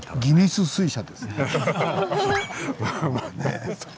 ギネス水車ですね。